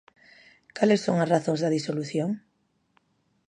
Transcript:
Cales son as razóns da disolución?